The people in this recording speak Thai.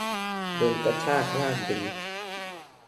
โดนกระชากลากดึง